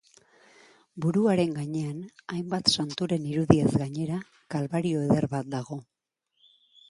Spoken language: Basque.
Buruaren gainean, hainbat santuren irudiez gainera, Kalbario eder bat dago.